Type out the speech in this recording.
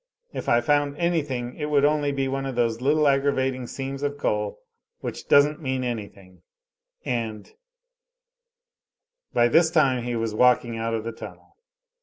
If I found anything it would only be one of those little aggravating seams of coal which doesn't mean anything, and " By this time he was walking out of the tunnel.